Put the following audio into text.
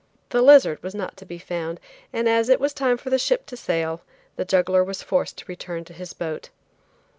The lizard was not to be found, and as it was time for the ship to sail, the juggler was forced to return to his boat.